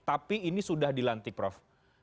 tapi ini sudah dilantik prof